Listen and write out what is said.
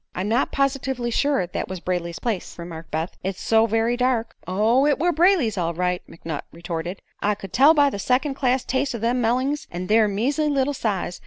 "I'm not positively sure that was Brayley's place," remarked Beth; "it's so very dark." "Oh, it were Brayley's, all right," McNutt retorted. "I could tell by the second class taste o' them mellings, an' their measley little size.